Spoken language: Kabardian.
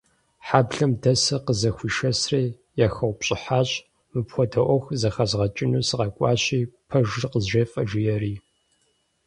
Хьэблэм дэсыр къызэхуишэсри, яхэупщӀыхьащ, мыпхуэдэ Ӏуэху зэхэзгъэкӀыну сыкъэкӀуащи, пэжыр къызжефӀэ, жиӀэри.